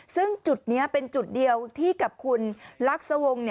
ซึ่งจุดนี้เป็นจุดเดียวที่กับคุณลักษวงศ์